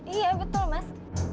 iya betul mas